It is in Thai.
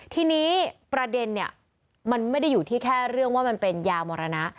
ทีนี้ประเด็นเนี่ยมันไม่ได้อยู่ที่แค่เรื่องว่ามันเป็นยามรณะ